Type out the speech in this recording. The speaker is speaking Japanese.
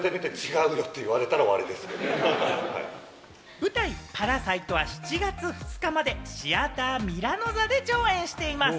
舞台『パラサイト』は７月２日までシアターミラノ座で上演しています。